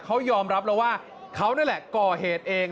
เขายอมรับแล้วว่าเขานั่นแหละก่อเหตุเอง